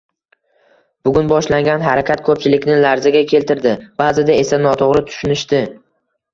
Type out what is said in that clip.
Bugun boshlangan harakat ko'pchilikni larzaga keltirdi, ba'zida esa noto'g'ri tushunishdi